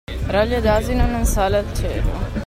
Raglio d'asino non sale al cielo.